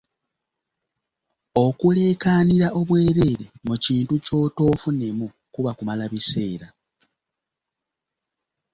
Okuleekaanira obwereere mu kintu ky’otoofunemu kuba kumala biseera.